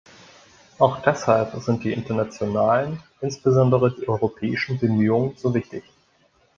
Auch deshalb sind die internationalen, insbesondere die europäischen, Bemühungen so wichtig.